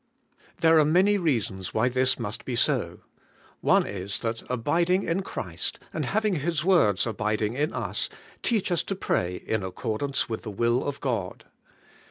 There are many reasons why this must be so. One is, that abiding in Christ, and having His words abiding in us, teach us to pray in accordance with the ivill of God.